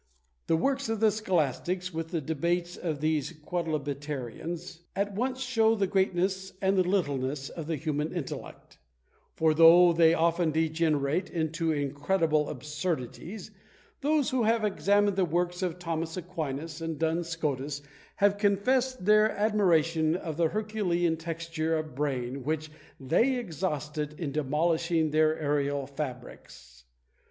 The works of the scholastics, with the debates of these Quodlibetarians, at once show the greatness and the littleness of the human intellect; for though they often degenerate into incredible absurdities, those who have examined the works of Thomas Aquinas and Duns Scotus have confessed their admiration of the Herculean texture of brain which they exhausted in demolishing their aërial fabrics.